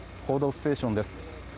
「報道ステーション」です。